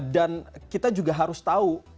dan kita juga harus tahu